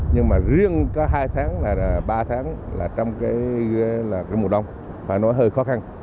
nhưng mà riêng có hai tháng ba tháng là trong cái mùa đông phải nói hơi khó khăn